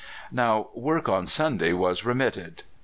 Now, work on Sunday was remitted.